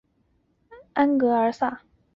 安戈尔桑。